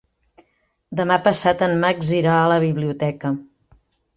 Demà passat en Max irà a la biblioteca.